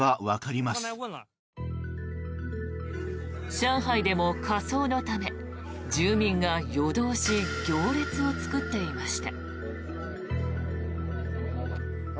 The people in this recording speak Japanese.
上海でも火葬のため、住民が夜通し行列を作っていました。